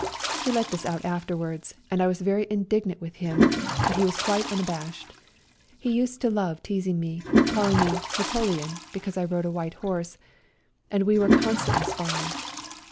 He let this out afterwards, and I was very indignant with him, but he was quite unabashed. He used to love teasing me, calling me " Napoleon " because I rode a white horse, and we were constantly sparring.